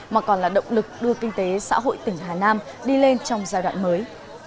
mà còn là động lực đưa kinh tế xã hội tỉnh hà nam đi lên trong giai đoạn mới